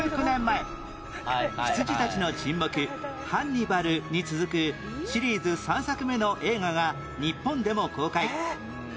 １９年前『羊たちの沈黙』『ハンニバル』に続くシリーズ３作目の映画が日本でも公開